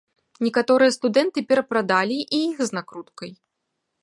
Некаторыя студэнты перапрадалі і іх з накруткай.